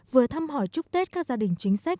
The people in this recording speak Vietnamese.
vừa thăm hỏi chúc tết các gia đình chính sách